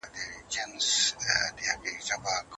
ګاونډیانو بیلچې په ډېرې خوښۍ سره په اوږو کېښودلې.